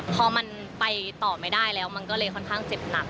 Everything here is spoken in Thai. พอมันไปต่อไม่ได้แล้วมันก็เลยค่อนข้างเจ็บหนัก